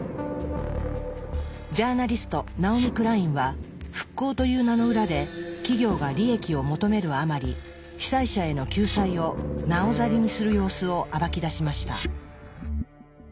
ジャーナリストナオミ・クラインは「復興」という名の裏で企業が利益を求めるあまり被災者への救済をなおざりにする様子を暴き出しました。